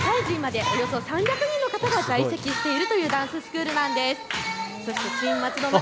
こちらは幼稚園から社会人までおよそ３００人の方が在籍しているというダンススクールなんです。